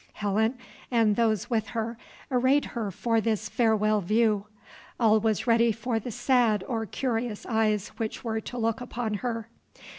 Helen and those with her arrayed her for this farewell view. All was ready for the sad or curious eyes which were to look upon her.